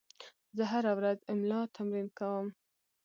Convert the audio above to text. زه هره ورځ املا تمرین کوم.